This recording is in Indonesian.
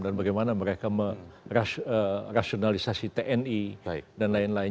dan bagaimana mereka merasionalisasi tni dan lain lain